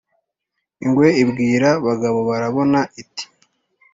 ingwe ibwira bagabobarabona iti